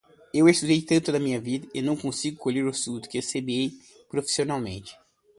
Estudei tanto na minha vida, e não consigo colher os frutos que semeei, profissionalmente.